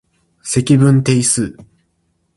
積分定数